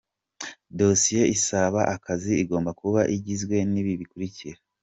Dossier isaba akazi igomba kuba igizwe n’ibi bikurikira :.